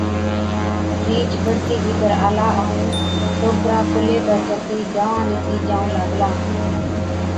رِينڇ بڙتِي ڀِيتر آلا ائُون ٽوڪرا ڪُلهي پر چتِي گانوان ڏِسِين جائُون لاگلا۔